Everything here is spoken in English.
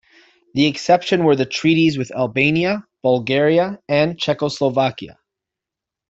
The exceptions were the treaties with Albania, Bulgaria and Czechoslovakia.